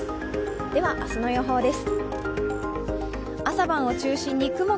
では、明日の予報です。